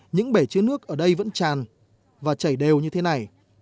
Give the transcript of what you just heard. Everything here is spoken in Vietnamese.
những bể chứa nước ở đây vẫn tràn và chảy đều như thế này